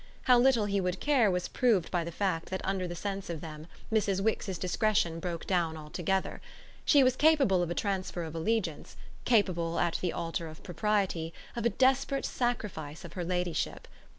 How little he would care was proved by the fact that under the sense of them Mrs. Wix's discretion broke down altogether; she was capable of a transfer of allegiance, capable, at the altar of propriety, of a desperate sacrifice of her ladyship.